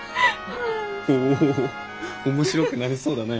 おお面白くなりそうだね。